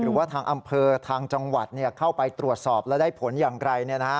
หรือว่าทางอำเภอทางจังหวัดเข้าไปตรวจสอบและได้ผลอย่างไกล